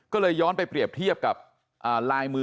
ก็เลยย้อนไปเปรียบเทียบกับลายมือ